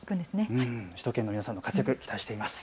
首都圏の皆さんの活躍、期待しています。